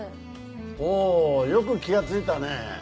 あよく気が付いたねぇ。